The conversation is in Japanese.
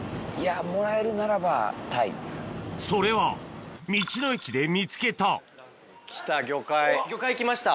それは道の駅で見つけた魚介きました。